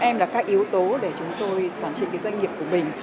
sáu m là các yếu tố để chúng tôi quản trị doanh nghiệp của mình